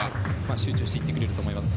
集中していってくれると思います。